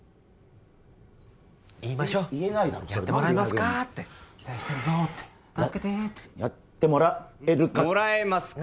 言いましょ「やってもらえますか？」って「期待してるぞ助けて」ってやってもらえるか「もらえますか」